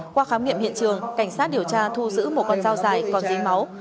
qua khám nghiệm hiện trường cảnh sát điều tra thu giữ một con dao dài còn dính máu